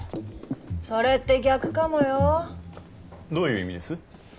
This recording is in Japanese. それって逆かもよどういう意味です？